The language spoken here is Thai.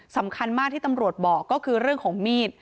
สำคัญมากที่ตำรวจบอกก็คือเรื่องของมีด